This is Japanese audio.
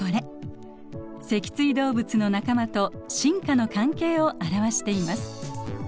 脊椎動物の仲間と進化の関係を表しています。